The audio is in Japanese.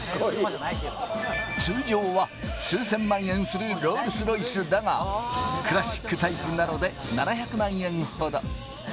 通常は数千万円するロールス・ロイスだが、クラシックタイプなので、７００万円ほど。